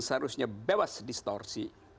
seharusnya bebas distorsi